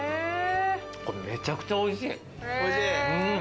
めちゃくちゃおいしい！